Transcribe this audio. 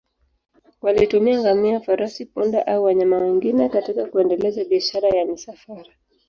Walitumia ngamia, farasi, punda au wanyama wengine katika kuendeleza biashara ya misafara.